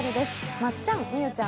まっちゃん、美羽ちゃん